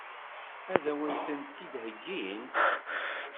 Ad wen-t-id-heggint?